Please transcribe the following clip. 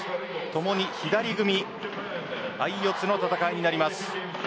ともに左組み相四つの戦いになります。